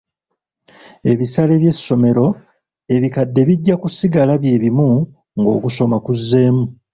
Ebisale by'essomero ebikadde bijja kusigala bye bimu ng'okusoma kuzzeemu.